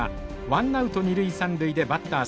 ワンナウト二塁三塁でバッター